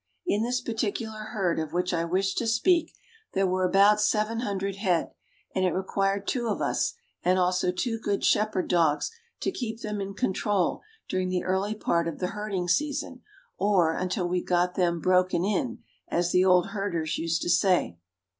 In this particular herd of which I wish to speak there were about seven hundred head and it required two of us and also two good shepherd dogs to keep them in control during the early part of the herding season or until we got them "broken in," as the old herders used to say.